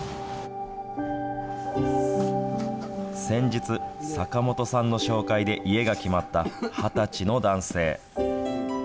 先日、坂本さんの紹介で家が決まった２０歳の男性。